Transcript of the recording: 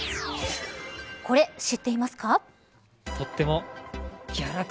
これ、知っていますか。